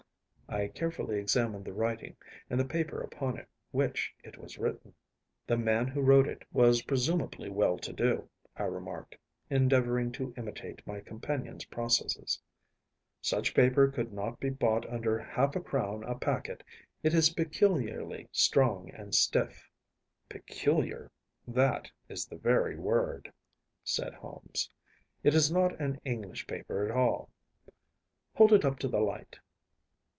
‚ÄĚ I carefully examined the writing, and the paper upon which it was written. “The man who wrote it was presumably well to do,‚ÄĚ I remarked, endeavouring to imitate my companion’s processes. “Such paper could not be bought under half a crown a packet. It is peculiarly strong and stiff.‚ÄĚ ‚ÄúPeculiar‚ÄĒthat is the very word,‚ÄĚ said Holmes. “It is not an English paper at all. Hold it up to the light.